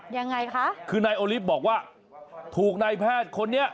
ยังไงคะคือนายโอลิฟต์บอกว่าถูกนายแพทย์คนนี้